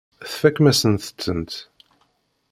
Tfakem-asent-tent.